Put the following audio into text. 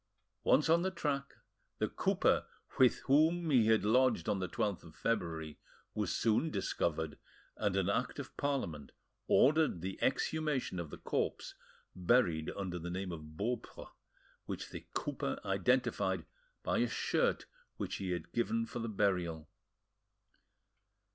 Once on the track, the cooper with whom he had lodged on the 12th of February was soon discovered, and an Act of Parliament ordered the exhumation of the corpse buried under the name of Beaupre, which the cooper identified by a shirt which he had given for the burial.